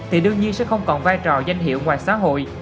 thì đương nhiên sẽ không còn vai trò danh hiệu ngoài xã hội